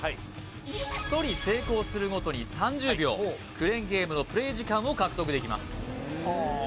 １人成功するごとに３０秒クレーンゲームのプレイ時間を獲得できます